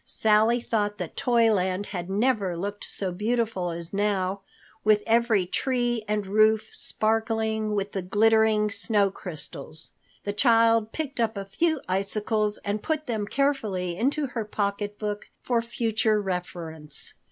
Sally thought that Toyland had never looked so beautiful as now, with every tree and roof sparkling with the glittering snow crystals. The child picked up a few icicles and put them carefully into her pocketbook for future reference.